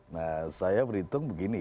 nah kita berhitung begini